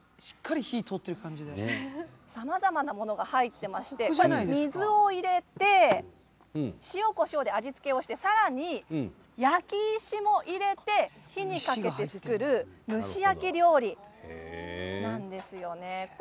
さまざまなものが入っていまして水を入れて塩、こしょうで味付けをしてさらに、焼き石も入れて火にかけて作る蒸し焼き料理なんです。